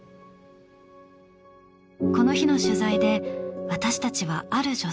この日の取材で私たちはある女性に出会いました。